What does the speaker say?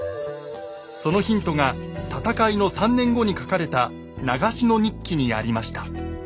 そのヒントが戦いの３年後に書かれた「長篠日記」にありました。